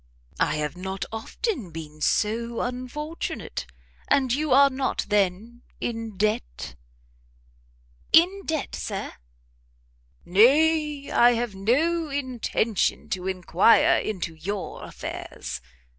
I have not often been so unfortunate; and you are not, then, in debt?" "In debt, Sir?" "Nay, I have no intention to inquire into your affairs.